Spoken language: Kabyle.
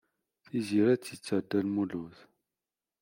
Tiziri ad tetter Dda Lmulud.